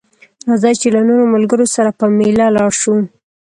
راځه چې له نورو ملګرو سره په ميله لاړ شو